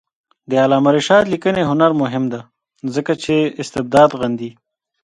د علامه رشاد لیکنی هنر مهم دی ځکه چې استبداد غندي.